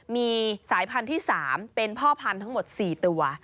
มีสายพันธุ์ที่๓เป็นพ่อพันธุ์ทั้งหมด๔ตัว